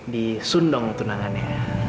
disun dong tunangannya